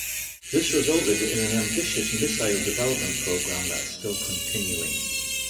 This resulted in an ambitious missile development programme that is still continuing.